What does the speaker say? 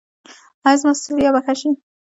ایا زما ستړیا به ښه شي؟